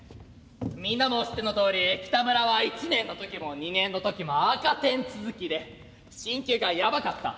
みんなも知ってのとおりキタムラは１年の時も２年の時も赤点続きで進級がヤバかった」。